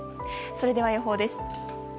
それでは予報です。